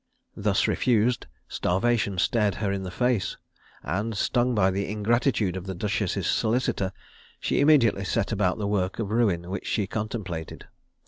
Thus refused, starvation stared her in the face; and, stung by the ingratitude of the duchess' solicitor, she immediately set about the work of ruin which she contemplated.